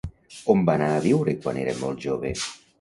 On va anar a viure quan era molt jove?